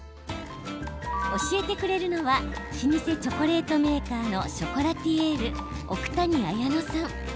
教えてくれるのは老舗チョコレートメーカーのショコラティエール奥谷綾乃さん。